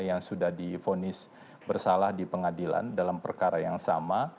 yang sudah difonis bersalah di pengadilan dalam perkara yang sama